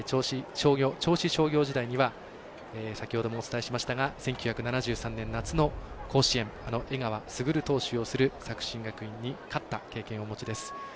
銚子商業時代には先ほどもお伝えしましたが１９７３年、夏の甲子園江川卓投手を擁する作新学院に経験をお持ちです。